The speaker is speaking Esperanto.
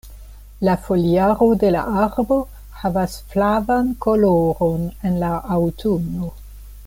La foliaro de la arbo havas flavan koloron en la aŭtuno.